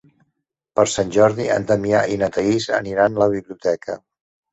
Per Sant Jordi en Damià i na Thaís aniran a la biblioteca.